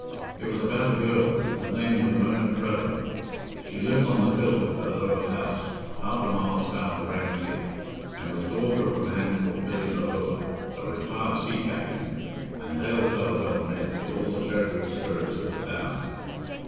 It was about a girl. Her name was Mona Crellin; she lived on the hill at Ballure House, half a mile south of Ramsey, and was daughter of a man called Billy Ballure, a retired sea captain, and hail fellow well met with all the jovial spirits of the town.